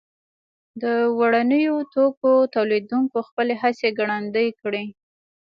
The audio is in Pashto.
د وړینو توکو تولیدوونکو خپلې هڅې ګړندۍ کړې.